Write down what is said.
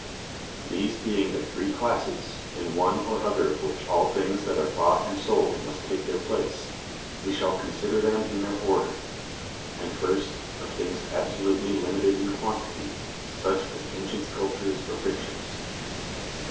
These being the three classes, in one or other of which all things that are bought and sold must take their place, we shall consider them in their order. And first, of things absolutely limited in quantity, such as ancient sculptures or pictures.